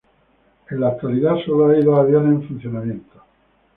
En la actualidad, solo hay dos aviones en funcionamiento.